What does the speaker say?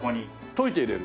溶いて入れる？